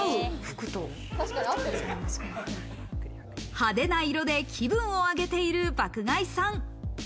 派手な色で気分を上げている爆買いさん。